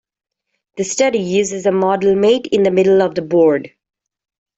This study uses a "model mate" in the middle of the board.